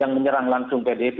yang menyerang langsung pdp